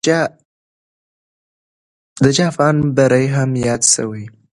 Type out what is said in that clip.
د جاپان بری هم یاد سوی دی.